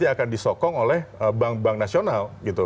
karena akan disokong oleh bank bank nasional gitu